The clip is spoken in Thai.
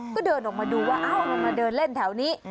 ก็เดินออกมาดูว่ามันมาเดินเล่นแถวนี้